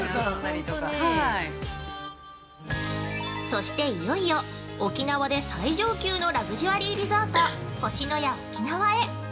◆そしていよいよ沖縄で最上級のラグジュアリーリゾート星のや沖縄へ。